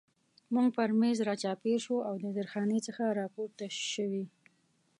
موږ پر مېز را چاپېر شو او د زیرخانې څخه را پورته شوي.